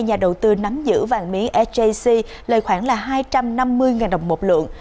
nhà đầu tư nắm giữ vàng miếng sjc lời khoảng hai trăm năm mươi đồng một lượng